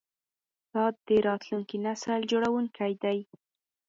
استاد د راتلونکي نسل جوړوونکی دی.